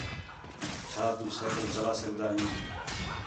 چَھا تو سائیکل چلا سڳدا ہیں